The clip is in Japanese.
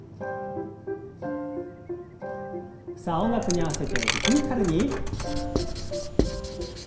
さあ音楽に合わせてリズミカルに。